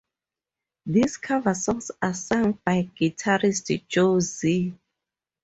These cover songs are sung by guitarist Joey Z.